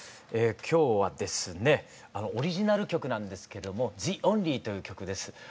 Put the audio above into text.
今日はですねオリジナル曲なんですけども「ＴｈｅＯｎｌｙ」という曲です。